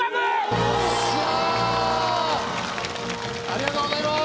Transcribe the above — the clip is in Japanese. ありがとうございます。